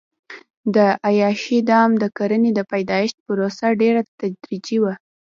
د عیاشۍ دام د کرنې د پیدایښت پروسه ډېره تدریجي وه.